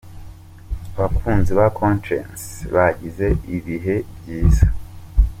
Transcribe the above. Abakunzi ba Konshens bagize ibihe byiza.